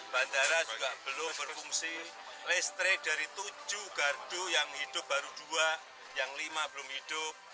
bandara juga belum berfungsi listrik dari tujuh gardu yang hidup baru dua yang lima belum hidup